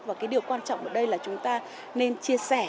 và cái điều quan trọng ở đây là chúng ta nên chia sẻ